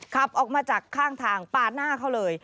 ขับออกมาจากข้างทางปาดหน้าเขาเลย